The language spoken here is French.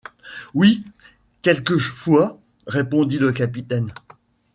Oui, quelquefois, répondit le capitaine.